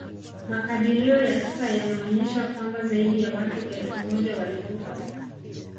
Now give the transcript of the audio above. Makadirio ya sasa yanaonesha kwamba zaidi ya watu elfu moja walikufa